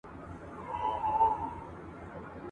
خولگۍ راکه شل کلنی پسرلی رانه تېرېږی..